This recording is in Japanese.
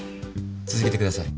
続けてください。